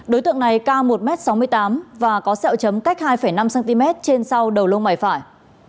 đối tượng này cao một m sáu mươi tám và có sẹo chấm cách hai năm cm trên sau đầu lông mày phải